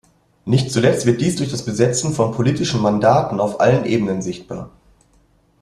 Nicht zuletzt wird dies durch das Besetzen von politischen Mandaten auf allen Ebenen sichtbar.